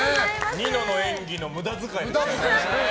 ニノの演技の無駄遣いでしたね。